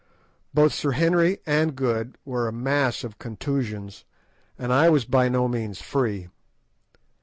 Both Sir Henry and Good were a mass of contusions, and I was by no means free.